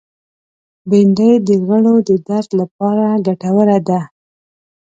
بېنډۍ د غړو د درد لپاره ګټوره ده